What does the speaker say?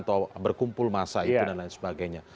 atau berkumpul masa itu dan lain sebagainya